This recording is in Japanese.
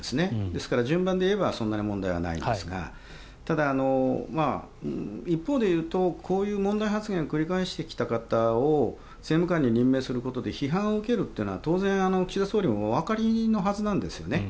ですから順番はそんなに問題はないんですがただ、一方で言うとこういう問題発言を繰り返してきた肩を政務官に任命することで批判を受けるというのは当然、岸田総理もおわかりのはずなんですね。